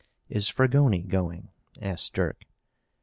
"Is Fragoni going?" asked Dirk.